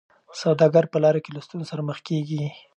سوداګر په لاره کي له ستونزو سره مخ کیږي.